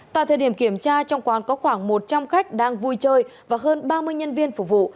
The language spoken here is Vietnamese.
tại thời điểm kiểm tra trong quán có khoảng một trăm linh khách đang vui chơi và hơn ba mươi nhân viên phục vụ